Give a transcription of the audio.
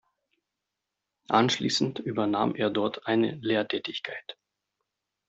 Anschließend übernahm er dort eine Lehrtätigkeit.